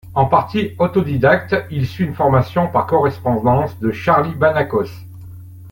En partie autodidacte, il suit une formation par correspondance de Charlie Banacos.